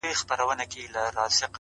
• بېله ځنډه به دې یوسي تر خپل کلي,